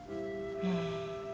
うん。